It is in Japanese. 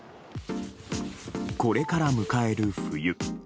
これから迎える冬。